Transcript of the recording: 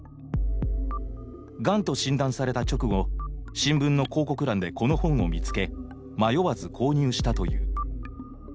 がんと診断された直後新聞の広告欄でこの本を見つけ迷わず購入したという。